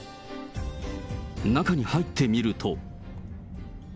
中に入ってみると。